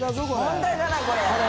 問題だな、これ。